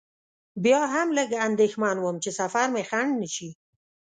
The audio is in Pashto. بیا هم لږ اندېښمن وم چې سفر مې خنډ نه شي.